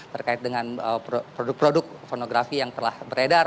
terkait dengan produk produk pornografi yang telah beredar